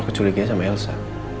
aku curiginya sama elsa